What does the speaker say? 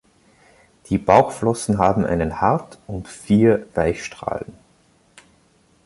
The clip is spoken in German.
Die Bauchflossen haben einen Hart- und vier Weichstrahlen.